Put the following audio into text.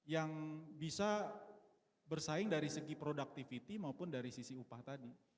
yang bisa bersaing dari segi productivity maupun keuntungan